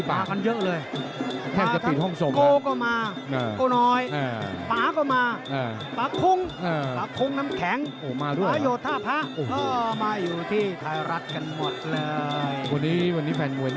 ปะขุงน้ำแข็งปะโหโธฑาก็มาอยู่ที่ไทยรัฐกันหมดเลย